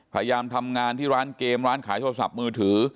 พยายามทำงานที่ร้านเกมร้านขายโทรศัพท์มือถือ